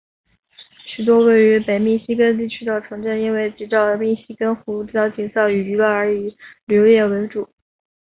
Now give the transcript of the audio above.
许多位于北密西根地区的城镇因为藉着密西根湖的景色与娱乐而以旅游业为主。